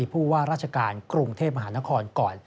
ผู้ว่าราชการกรุงเทพมหานครก่อน